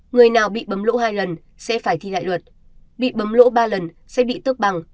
người nào bị bấm lỗ hai lần sẽ phải thi lại luật bị bấm lỗ ba lần sẽ bị tước bằng